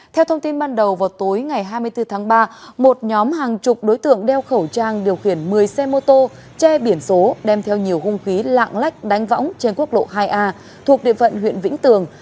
theo thông tin ban đầu vào tối ngày hai mươi bốn tháng ba một nhóm hàng chục đối tượng đeo khẩu trang điều khiển một mươi xe mô tô che biển số đem theo nhiều hung khí lạng lách đánh võng trên quốc lộ hai a thuộc địa phận huyện vĩnh tường